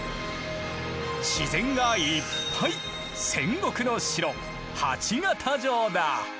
自然がいっぱい戦国の城鉢形城だ。